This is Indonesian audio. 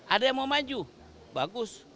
ada yang mau maju bagus